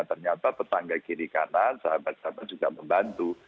ternyata tetangga kiri kanan sahabat sahabat juga membantu